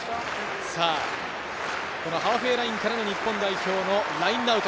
ハーフウェイラインからの日本代表のラインアウト。